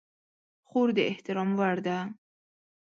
خور د احترام وړ ده.